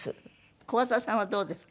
小朝さんはどうですか？